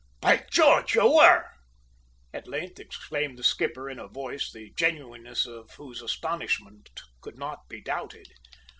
By George, you were!" at length exclaimed the skipper in a voice, the genuineness of whose astonishment could not be doubted.